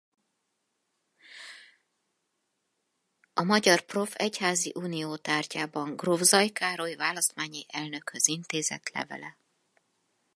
A magyar prof. egyházi unio tárgyában gróf Zay Károly választmányi elnökhöz intézett levele.